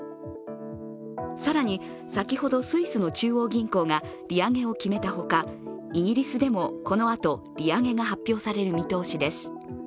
更に先ほどスイスの中央銀行が利上げを決めたほかイギリスでもこのあと利上げが発表される見通しです。